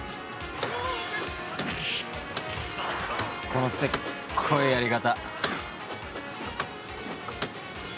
このせっこいやり方